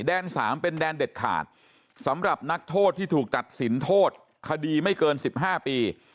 ๓เป็นแดนเด็ดขาดสำหรับนักโทษที่ถูกตัดสินโทษคดีไม่เกิน๑๕ปี